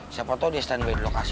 siapa tau dia stand by di lokasi